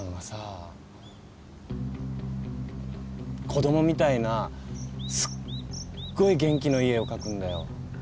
子供みたいなすっごい元気のいい絵を描くんだよ。